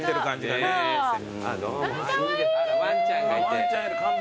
ワンちゃんいる。